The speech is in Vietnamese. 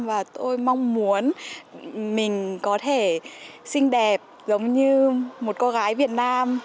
và tôi mong muốn mình có thể xinh đẹp giống như một cô gái việt nam